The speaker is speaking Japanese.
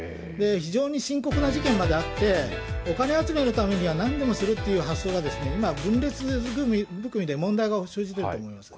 非常に深刻な事件まであって、お金集めのためにはなんでもするっていう発想が、今、分裂含みで問題が生じてると思います。